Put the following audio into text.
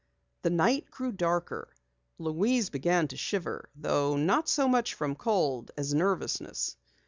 The night grew darker. Louise began to shiver, though not so much from cold as nervousness.